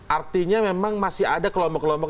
artinya memang masih ada kelompok kelompok